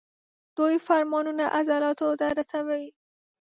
دوی فرمانونه عضلاتو ته رسوي.